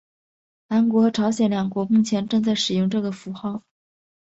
韩国和朝鲜两国目前正在使用这个符号。